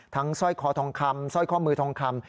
สร้อยคอทองคำสร้อยข้อมือทองคำ